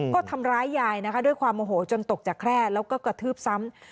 ก็ทำร้ายยายนะคะด้วยความโมโหจนตกจากแคร่แล้วก็กระทืบซ้ำ